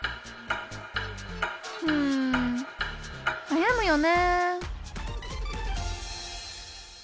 うんなやむよね